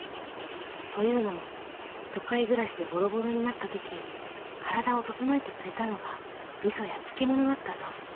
というのも都会暮らしでボロボロになったとき体を整えてくれたのが味噌や漬物だったそう。